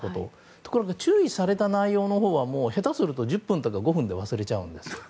ところが注意された内容のほうは下手すると１０分とか５分で忘れちゃうんです。